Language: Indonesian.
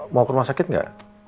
mau ke rumah sakit nggak